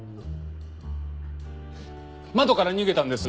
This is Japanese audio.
窓から逃げたんです。